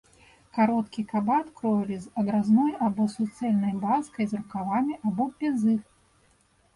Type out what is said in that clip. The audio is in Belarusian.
Кароткі кабат кроілі з адразной або суцэльнай баскай, з рукавамі або без іх.